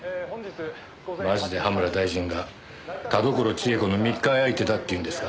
マジで葉村大臣が田所千枝子の密会相手だって言うんですか？